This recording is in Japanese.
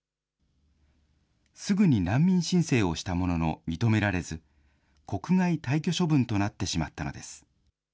すぐに難民申請をしたものの認められず、国外退去処分となってしまったのです。